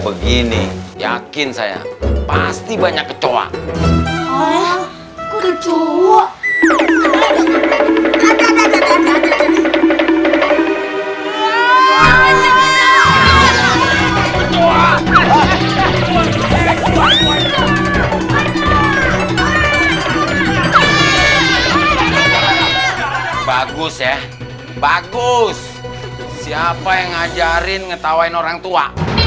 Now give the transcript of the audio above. begini yakin saya pasti banyak kecoa kecoa bagus ya bagus siapa yang ngajarin ngetawain orangtua